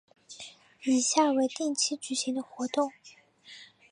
以下为定期举行的活动